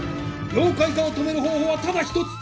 妖怪化を止める方法はただ一つ！